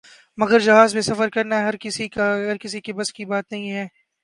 مگر جہاز میں سفر کرنا ہر کسی کے بس کی بات نہیں ہے ۔